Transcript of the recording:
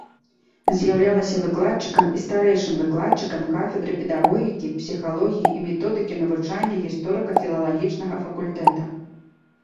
З'яўлялася выкладчыкам і старэйшым выкладчыкам кафедры педагогікі, псіхалогіі і методыкі навучання гісторыка-філалагічнага факультэта.